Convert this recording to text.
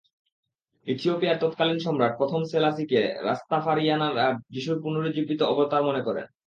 ইথিওপিয়ার তৎকালীন সম্রাট প্রথম সেলাসিকে রাস্তাফারিয়ানরা যিশুর পুনরুজ্জীবিত অবতার মনে করেন।